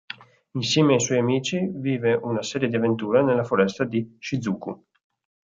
Insieme ai suoi amici vive una serie di avventure nella foresta di Shizuku.